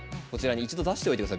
一度出しておいてください